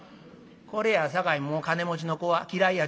これやさかいもう金持ちの子は嫌いやちゅう。